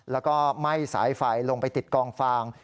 แล้วก็ไหม้สายไฟลงไปติดกองฟาง